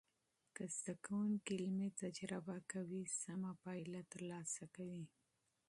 که زده کوونکي علمي تجربه کوي، سمه پایله تر لاسه کوي.